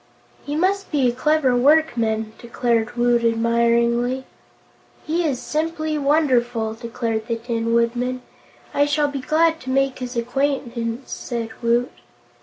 "He must be a clever workman," declared Woot, admiringly. "He is simply wonderful," declared the Tin Woodman. "I shall be glad to make his acquaintance," said Woot.